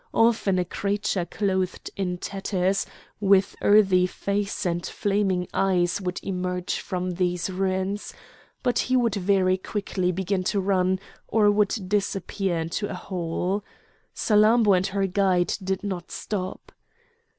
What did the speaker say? Often a creature clothed in tatters, with earthy face and flaming eyes would emerge from these ruins. But he would very quickly begin to run or would disappear into a hole. Salammbô and her guide did not stop.